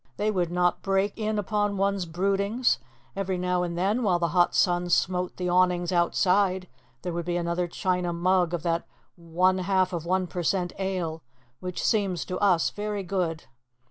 They would not break in upon one's broodings. Every now and then, while the hot sun smote the awnings outside, there would be another china mug of that one half of 1 per cent. ale, which seems to us very good.